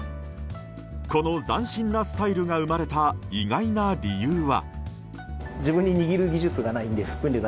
この斬新なスタイルが生まれた意外な理由は。